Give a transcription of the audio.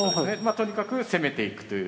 とにかく攻めていくという。